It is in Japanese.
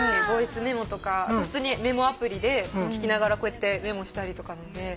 ボイスメモとかあと普通にメモアプリで聞きながらこうやってメモしたりとかなので。